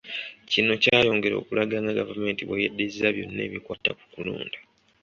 Kino kyayongera okulaga nga gavumenti bwe yeddiza byonna ebikwata ku kulonda.